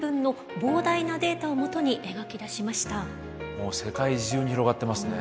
もう世界中に広がってますね。